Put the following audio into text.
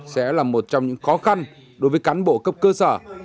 sẽ là một trong những khó khăn đối với cán bộ cấp cơ sở